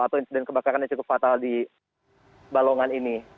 atau insiden kebakaran yang cukup fatal di balongan ini